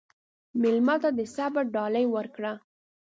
مېلمه ته د صبر ډالۍ ورکړه.